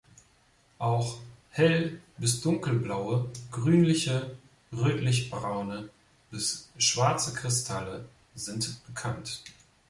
Auch hell- bis dunkelblaue, grünliche, rötlichbraune bis schwarze Kristalle sind bekannt.